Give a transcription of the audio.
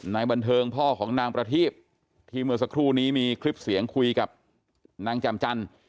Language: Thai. นายบันเทิงพ่อของนางประทีบที่เมื่อสักครู่นี้มีคลิปเสียงคุยกับนางแจ่มจันทร์